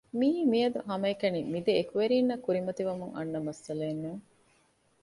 މިއީ މިއަދު ހަމައެކަނި މި ދެ އެކުވެރީންނަށް ކުރިމަތިވަމުން އަންނަ މައްސަލައެއް ނޫން